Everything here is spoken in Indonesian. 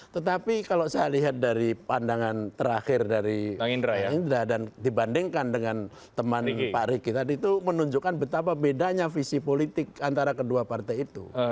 tetapi kalau saya lihat dari pandangan terakhir dari indra dan dibandingkan dengan teman pak riki tadi itu menunjukkan betapa bedanya visi politik antara kedua partai itu